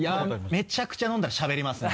めちゃくちゃ飲んだらしゃべりますね。